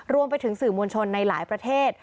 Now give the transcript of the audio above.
รวมไปถึงสื่อมวลชนในหลายประเทศ